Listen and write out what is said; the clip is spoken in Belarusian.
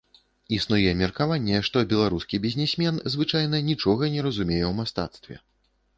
Існуе меркаванне, што беларускі бізнесмен звычайна нічога не разумее ў мастацтве.